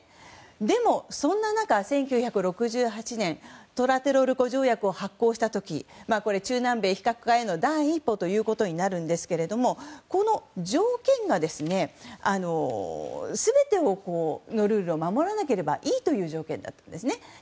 でもそんな中、１９６８年トラテロルコ条約を発効した時中南米非核化への第一歩ということになるんですがこの条件が全てのルールを守らなければいいという条件だったんです。